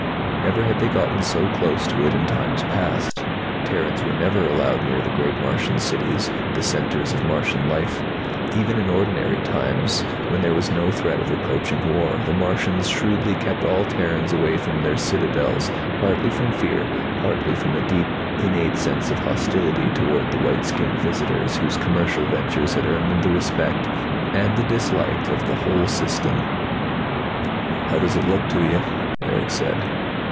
Never had they gotten so close to it in times past. Terrans were never allowed near the great Martian cities, the centers of Martian life. Even in ordinary times, when there was no threat of approaching war, the Martians shrewdly kept all Terrans away from their citadels, partly from fear, partly from a deep, innate sense of hostility toward the white skinned visitors whose commercial ventures had earned them the respect, and the dislike, of the whole system. "How does it look to you?" Erick said.